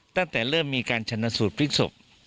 ตั้งแต่เริ่มมีการชนะสูตรพลิกศพ